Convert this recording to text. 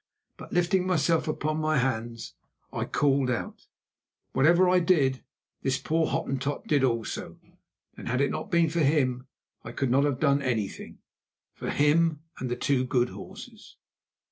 But, lifting myself upon my hands, I called out: "Whatever I did, this poor Hottentot did also, and had it not been for him I could not have done anything—for him and the two good horses."